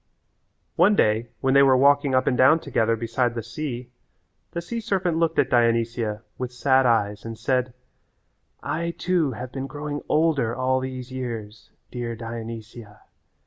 One day when they were walking up and down together beside the sea the sea serpent looked at Dionysia with sad eyes and said, "I too have been growing older all these years, dear Dionysia.